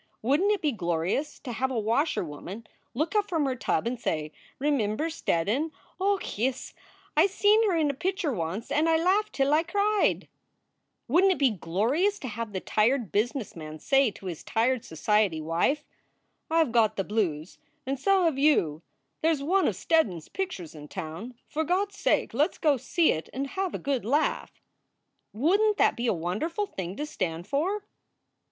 Wouldn t it be glorious to have a washer woman look up from her tub and say : Remimber Steddon ? Och, yis, I seen her in a pitcher once and I laughed till I cried ? Wouldn t it be glorious to have the tired business man say to his tired society wife : I ve got the blues, and so have you. There s one of Steddon s pictures in town. For God s sake let s go see it and have a good laugh! Wouldn t that be a wonderful thing to stand for?"